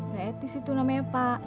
gak etis itu namanya pak